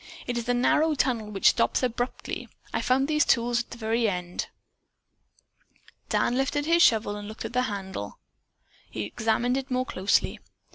It is a narrow tunnel which stops abruptly. I found these tools at the very end." Dan lifted his shovel and looked at the handle. Then he examined it more closely.